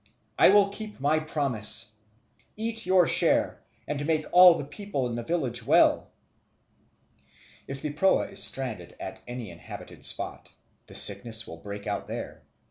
I will keep my promise. Eat your share, and make all the people in the village well." If the proa is stranded at any inhabited spot, the sickness will break out there.